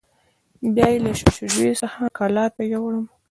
بیا یې له شا جوی څخه کلات ته یووړم.